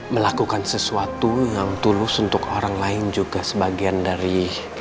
melakukan sesuatu yang tulus untuk orang lain juga sebagian dari